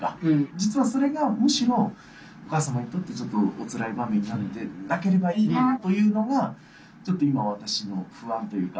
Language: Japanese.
実はそれがむしろお母様にとってちょっとおつらい場面になってなければいいなというのがちょっと今私の不安というか。